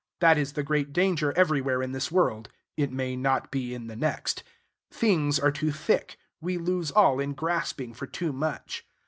That is the great danger everywhere in this world (it may not be in the next): things are too thick; we lose all in grasping for too much.